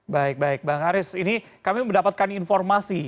baik baik bang aris ini kami mendapatkan informasi